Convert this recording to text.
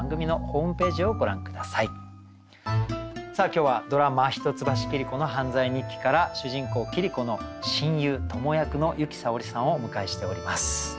今日はドラマ「一橋桐子の犯罪日記」から主人公桐子の親友トモ役の由紀さおりさんをお迎えしております。